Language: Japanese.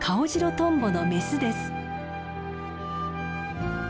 トンボのメスです。